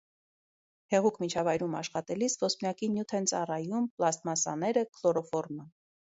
Հեղուկ միջավայրում աշխատելիս ոսպնյակի նյութ են ծառայում պլաստմասսաները, քլորոֆորմը։